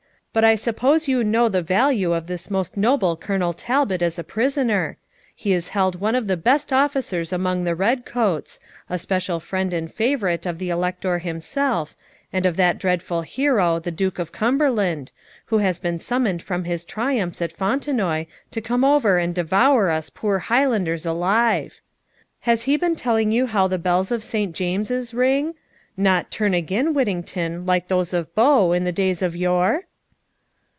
But I suppose you know the value of this most noble Colonel Talbot as a prisoner. He is held one of the best officers among the red coats, a special friend and favourite of the Elector himself, and of that dreadful hero, the Duke of Cumberland, who has been summoned from his triumphs at Fontenoy to come over and devour us poor Highlanders alive. Has he been telling you how the bells of St. James's ring? Not "turn again, Whittington," like those of Bow, in the days of yore?'